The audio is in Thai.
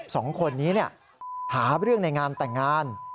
สองคนนี้หาเรื่องในงานแต่งงาน